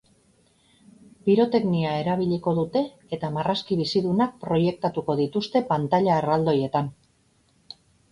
Piroteknia erabiliko dute eta marrazki bizidunak proiektatuko dituzte pantaila erraldoietan.